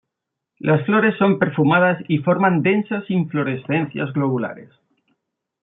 Las flores son perfumadas y forman densas inflorescencias globulares.